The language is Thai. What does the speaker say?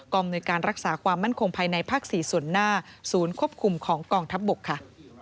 อำนวยการรักษาความมั่นคงภายในภาค๔ส่วนหน้าศูนย์ควบคุมของกองทัพบกค่ะ